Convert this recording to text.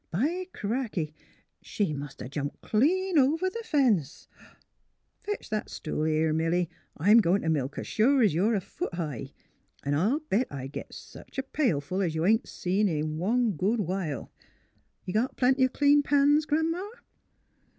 By cracky! She must 'a' jumped clean over the fence ! Fetch that stool here, Milly. I'm goin' t' milk her, sure es you're a foot high; 'n' I'll bet I get sech a pail full es you ain't seen in one good while. Got plenty clean pans, Gran 'ma!